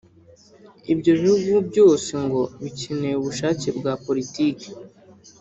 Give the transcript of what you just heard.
Ibyo bihugu byose ngo bikeneye ubushake bwa politiki